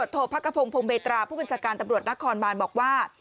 พตโภพพเบตราผู้บัญชาการตำรวจนครบานบอกว่า